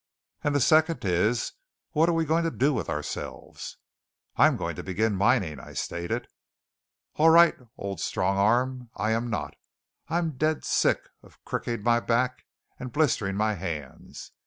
"And the second is, what are we going to do with ourselves?" "I'm going to begin mining," I stated. "All right, old strong arm; I am not. I'm dead sick of cricking my back and blistering my hands.